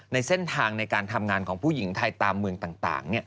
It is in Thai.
ในเส้นทางในการทำงานของผู้หญิงไทยตามเมืองต่าง